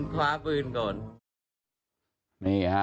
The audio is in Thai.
คว้าปืนก่อน